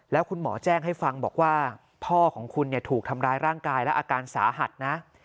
แล้วคุณหมอแจ้งให้ฟังบอกว่าพ่อของคุณถูกทำร้ายร่างกายและอาการสาหัสนะ